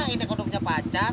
ineke udah punya pacar